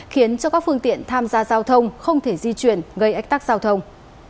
khiến cho các phương tiện tham gia giao thông không thể di chuyển gây ách tắc giao thông